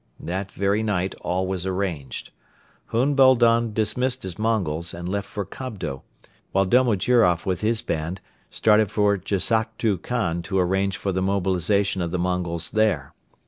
That very night all was arranged. Hun Boldon dismissed his Mongols and left for Kobdo, while Domojiroff with his band started for Jassaktu Khan to arrange for the mobilization of the Mongols there.